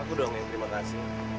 aku doang yang terima kasih